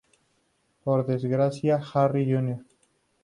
Por desgracia Harry Jr.